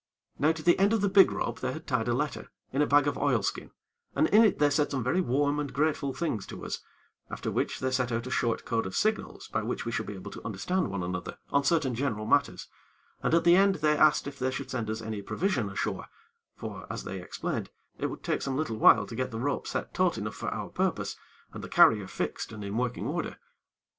Now to the end of the big rope they had tied a letter, in a bag of oilskin, and in it they said some very warm and grateful things to us, after which they set out a short code of signals by which we should be able to understand one another on certain general matters, and at the end they asked if they should send us any provision ashore; for, as they explained, it would take some little while to get the rope set taut enough for our purpose, and the carrier fixed and in working order.